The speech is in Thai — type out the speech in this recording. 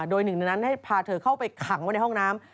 โดยหนึ่งในนั้นให้พาเธอเข้าไปขังไว้ในห้องน้ำ